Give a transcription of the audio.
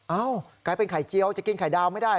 กลายเป็นไข่เจียวจะกินไข่ดาวไม่ได้